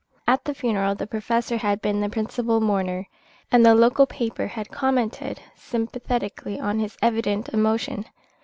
At the funeral the Professor had been the principal mourner, and the local paper had commented sympathetically on his evident emotion.